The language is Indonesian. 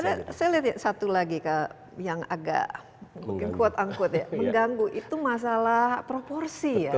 saya lihat satu lagi yang agak mengganggu itu masalah proporsi ya